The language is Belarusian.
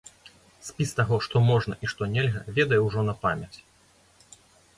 Спіс таго, што можна і што нельга, ведае ўжо на памяць.